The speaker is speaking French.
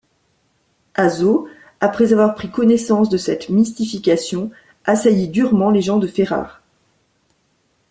Azzo, après avoir pris connaissance de cette mystification, assaillit durement les gens de Ferrare.